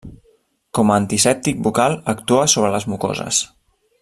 Com a antisèptic bucal actua sobre les mucoses.